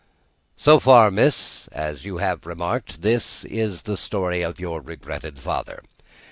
"So far, miss (as you have remarked), this is the story of your regretted father.